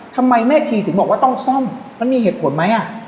ทำไมแม่ชีถึงบอกว่าต้องซ่อมมันมีเหตุผลไหม